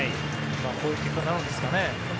こういう結果になるんですかね。